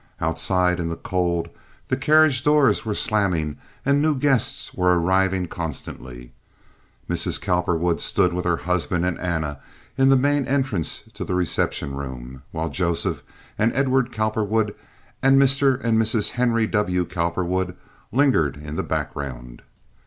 Outside in the cold, the carriage doors were slamming, and new guests were arriving constantly. Mrs. Cowperwood stood with her husband and Anna in the main entrance to the reception room, while Joseph and Edward Cowperwood and Mr. and Mrs. Henry W. Cowperwood lingered in the background.